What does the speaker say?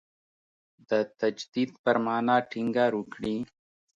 د تجدید پر معنا ټینګار وکړي.